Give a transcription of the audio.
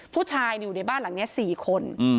ผู้ชายอยู่ในบ้านหลังนี้๔คน